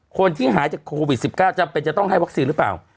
คนที่หายจากโควิด๑๙จำเป็นจะต้องให้วัคซีนหรือเปล่า